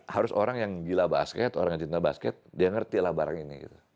harus orang yang gila basket orang yang cinta basket dia ngerti lah barang ini